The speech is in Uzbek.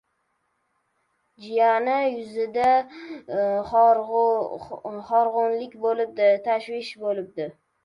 Jiyani yuzida horg‘inlik bo‘ldi, tashvish bo‘ldi.